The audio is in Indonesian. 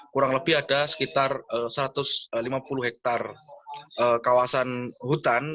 kurang lebih ada sekitar satu ratus lima puluh hektare kawasan hutan